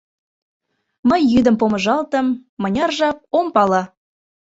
Мый йӱдым помыжалтым — мыняр жап, ом пале.